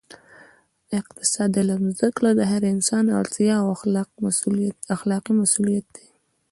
د اقتصاد علم زده کړه د هر انسان اړتیا او اخلاقي مسوولیت دی